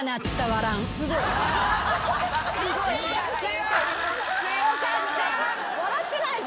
笑ってない全然。